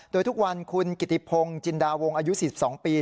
โดยทุกวันคุณกิติพงศ์จินดาวงอายุ๔๒ปี